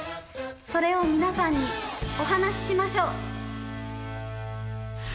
それを皆さんにお話ししましょう。